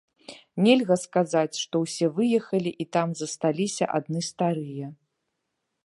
Нельга сказаць, што ўсе выехалі і там засталіся адны старыя.